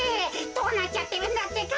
どうなっちゃってるんだってか。